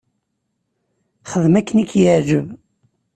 Xdem akken i k-yeɛǧeb.